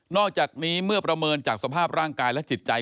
อกจากนี้เมื่อประเมินจากสภาพร่างกายและจิตใจ